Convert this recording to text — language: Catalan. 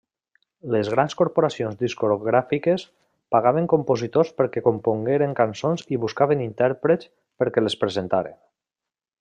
Les grans corporacions discogràfiques pagaven compositors perquè compongueren cançons i buscaven intèrprets perquè les presentaren.